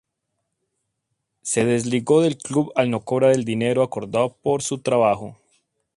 Se desligó del club al no cobrar el dinero acordado por su trabajo.